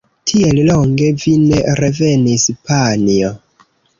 Tiel longe vi ne revenis, panjo!